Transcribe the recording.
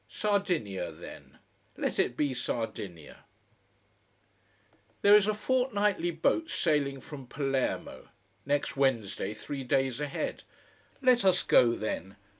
Sardinia then. Let it be Sardinia. There is a fortnightly boat sailing from Palermo next Wednesday, three days ahead. Let us go, then.